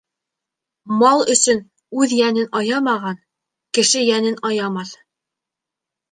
Мал өсөн үҙ йәнен аямаған, кеше йәнен аямаҫ.